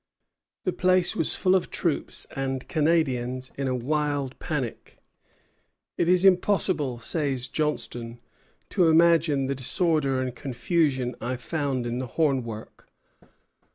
The place was full of troops and Canadians in a wild panic. "It is impossible," says Johnstone, "to imagine the disorder and confusion I found in the hornwork.